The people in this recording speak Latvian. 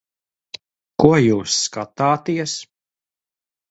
Ko jūs skatāties?